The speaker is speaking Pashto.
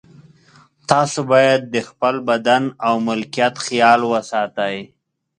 تاسو باید د خپل بدن او ملکیت خیال وساتئ.